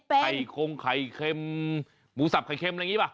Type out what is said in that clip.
ไข่คงไข่เค็มหมูสับไข่เค็มอะไรอย่างนี้ป่ะ